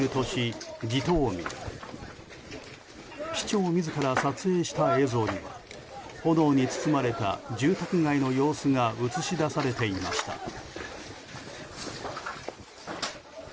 市長自ら撮影した映像には炎に包まれた住宅街の様子が映し出されていました。